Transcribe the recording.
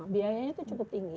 biayanya itu cukup tinggi